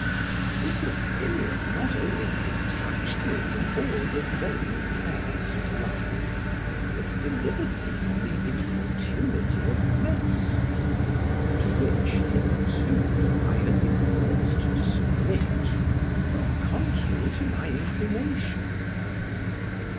This opinion not only detached me from all the vain cares of life, but delivered me from the importunity of medicine, to which hitherto, I had been forced to submit, though contrary to my inclination.